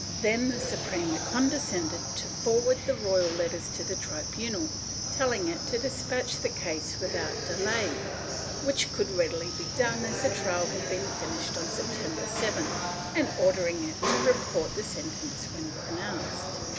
Then the Suprema condescended to forward the royal letters to the tribunal, telling it to despatch the case without delay, which could readily be done as the trial had been finished on September 7th, and ordering it to report the sentence when pronounced.